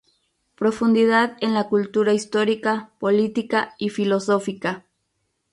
Profundidad en la cultura histórica, política y filosófica.